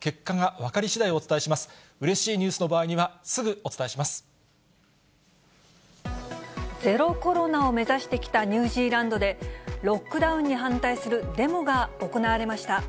うれしいニュースの場合には、ゼロコロナを目指してきたニュージーランドで、ロックダウンに反対するデモが行われました。